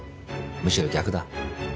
むしろ逆だ。